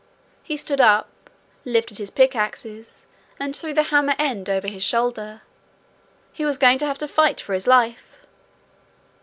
He stood up, lifted his pickaxes and threw the hammer end over his shoulder: he was going to have a fight for his life!